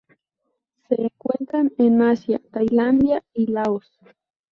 Se encuentran en Asia: Tailandia y Laos.